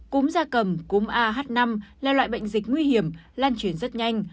cúm da cầm cúm ah năm là loại bệnh dịch nguy hiểm lan truyền rất nhanh